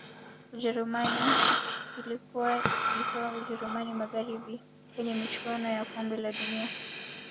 Ujerumani ilkuwa ikiitwa Ujerumani Magharibi kwenye michuano ya kombe la dunia